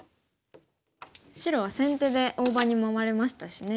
白は先手で大場に回れましたしね。